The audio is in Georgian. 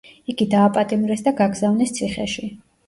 იგი დააპატიმრეს და გაგზავნეს ციხეში.